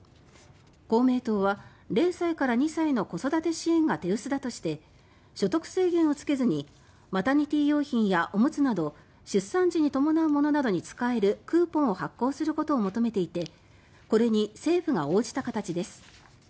公明党は０歳から２歳の子育て支援が手薄だとして所得制限をつけずにマタニティー用品やおむつなど出産時に伴うものなどに使えるクーポンを発行することを求めていてこれに政府が応じた形です。